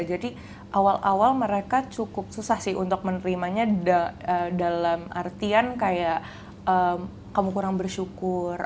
jadi awal awal mereka cukup susah sih untuk menerimanya dalam artian kayak kamu kurang bersyukur